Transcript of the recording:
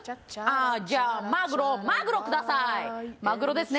じゃあマグロマグロくださいＹ．Ｍ．Ｃ．Ａ．マグロですね